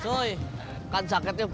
bisa lagi ya ya bell